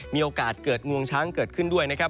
มีโอกาสเกิดงวงช้างเกิดขึ้นด้วยนะครับ